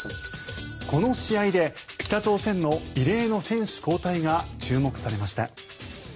この試合で北朝鮮の異例の選手交代が注目されました。